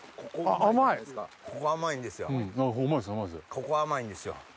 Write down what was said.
ここは甘いんですよ。